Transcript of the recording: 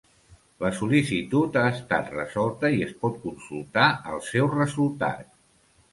La sol·licitud ha estat resolta i es pot consultar el seu resultat.